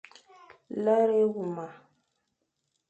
Lere éwuma.